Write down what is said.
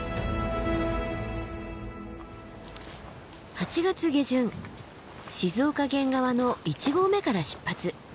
８月下旬静岡県側の一合目から出発。